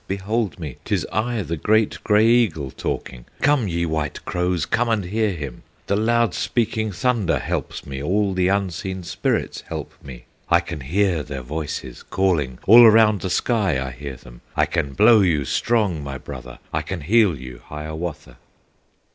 behold me! 'T is the great Gray Eagle talking; Come, ye white crows, come and hear him! The loud speaking thunder helps me; All the unseen spirits help me; I can hear their voices calling, All around the sky I hear them! I can blow you strong, my brother, I can heal you, Hiawatha!"